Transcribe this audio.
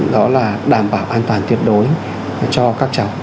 đó là đảm bảo an toàn tuyệt đối cho các cháu